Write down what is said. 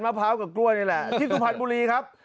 พร้าวกับกล้วยนี่แหละที่สุพรรณบุรีครับ